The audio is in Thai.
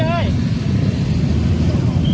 หายรังภูมิ